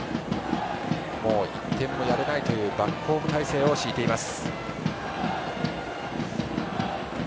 もう１点もやれないというバックホーム態勢を敷いています。